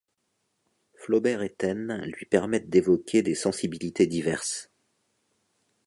Flaubert et Taine lui permettent d'évoquer des sensibilités diverses.